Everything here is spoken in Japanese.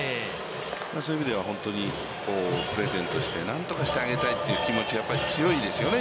そういう意味では本当にプレゼントして、何とかしてあげたいという気持ちがやっぱり強いですよね。